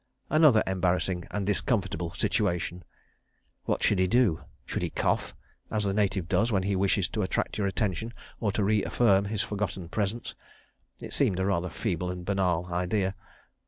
Another embarrassing and discomfortable situation. What should he do? Should he cough—as the native does when he wishes to attract your attention, or to re affirm his forgotten presence? It seemed a rather feeble and banal idea.